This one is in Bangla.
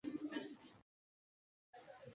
মারােলা লি বেশ কয়েকবার গেটে ধাক্কা দিলেন।